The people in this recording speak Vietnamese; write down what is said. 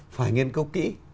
phải nghiên cứu kỹ